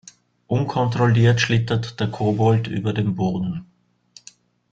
Unkontrolliert schlittert der Kobold über den Boden.